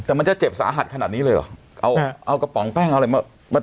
แต่มันจะเจ็บสาหัสขนาดนี้เลยเหรอเอาเอากระป๋องแป้งเอาอะไรมา